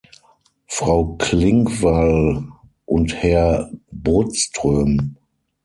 Frau Klingvall und Herr Bodström!